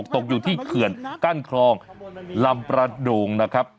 ตกอยู่ที่เขื่อนกั้นคลองลำประโด่งนะครับ